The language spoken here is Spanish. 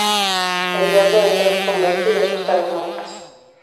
El diablo entra en un convento y asusta a las monjas.